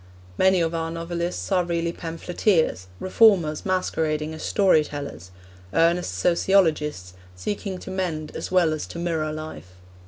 Many of our novelists are really pamphleteers, reformers masquerading as story tellers, earnest sociologists seeking to mend as well as to mirror life.